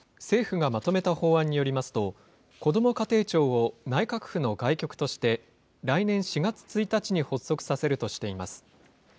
政府がまとめた法案によりますと、こども家庭庁を内閣府の外局として、来年４月１日に発足させるとしています。